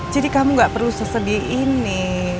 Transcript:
jadi kamu gak perlu sesedi ini